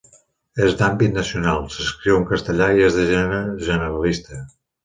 És d'àmbit nacional, s'escriu en castellà i és de gènere generalista.